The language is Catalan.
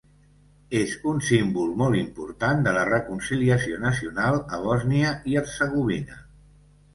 És un símbol molt important de la reconciliació nacional a Bòsnia i Hercegovina.